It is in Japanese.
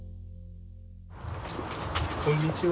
こんにちは。